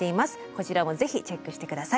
こちらもぜひチェックして下さい。